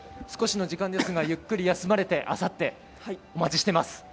少しの時間ですがゆっくり休まれてあさって、お待ちしています。